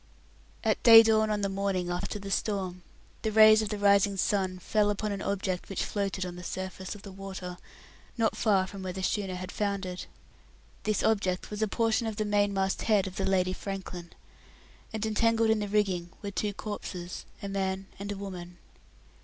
At day dawn the morning after the storm, the rays of the rising sun fell upon an object which floated on the surface of the water not far from where the schooner had foundered. This object was a portion of the mainmast head of the Lady Franklin, and entangled in the rigging were two corpses a man and a woman.